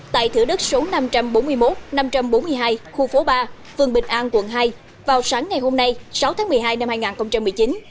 tại thửa đất số năm trăm bốn mươi một năm trăm bốn mươi hai khu phố ba phường bình an quận hai vào sáng ngày hôm nay sáu tháng một mươi hai năm hai nghìn một mươi chín